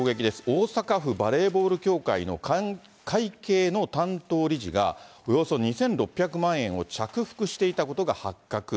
大阪府バレーボール協会の会計の担当理事が、およそ２６００万円を着服していたことが発覚。